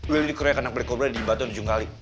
willi dikroyekan anak black cobra di batuan di jenggali